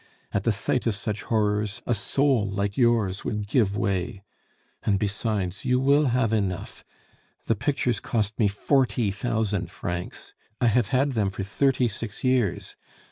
At the sight of such horrors, a soul like yours would give way. And besides, you will have enough. The pictures cost me forty thousand francs. I have had them for thirty six years....